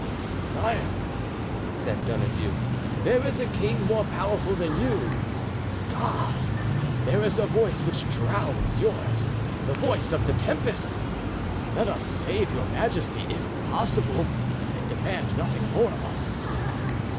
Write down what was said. "Sire," said Donadieu, "there is a king more powerful than you—God; there is a voice which drowns yours—the voice of the tempest: let us save your Majesty if possible, and demand nothing more of us."